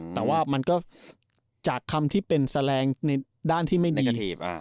แต่ว่ามันก็จากคำที่เป็นแสลงในด้านที่ไม่ในกระเทป